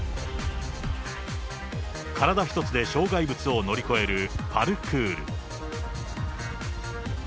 体一つで障害物を乗り越えるパルクール。